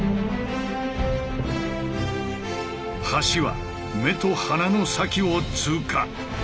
橋は目と鼻の先を通過。